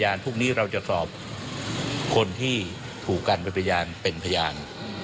พวกนี้เราจะสอบคนที่ถูกกันเป็นพยานเป็นพยาน